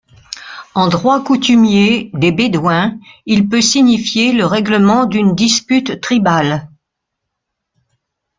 En droit coutumier des bédouin, il peut signifier le règlement d'une dispute tribale.